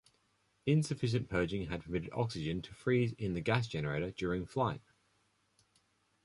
Insufficient purging had permitted oxygen to freeze in the gas generator during flight.